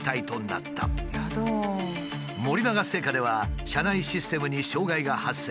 森永製菓では社内システムに障害が発生。